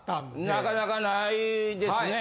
なかなかないですね。